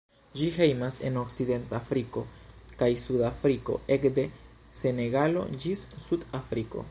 Ĝi hejmas en Okcidentafriko kaj suda Afriko, ekde Senegalo ĝis Sud-Afriko.